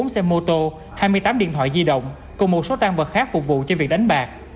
bốn xe mô tô hai mươi tám điện thoại di động cùng một số tan vật khác phục vụ cho việc đánh bạc